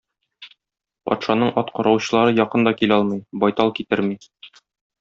Патшаның ат караучылары якын да килә алмый, байтал китерми.